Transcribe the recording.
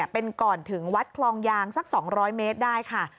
เป็นก่อนถึงวัดคลองยางสัก๒๐๐เมตรได้ค่ะ